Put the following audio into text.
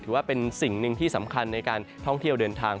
ถือว่าเป็นสิ่งหนึ่งที่สำคัญในการท่องเที่ยวเดินทาง